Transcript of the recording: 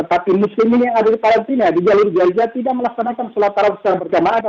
tapi muslimin yang ada di palestina di jalur gaza tidak melaksanakan sholat tarawih secara berjamaah